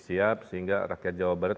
siap sehingga rakyat jawa barat